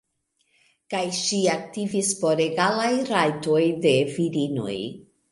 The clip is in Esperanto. Kaj ŝi aktivis por egalaj rajtoj de virinoj.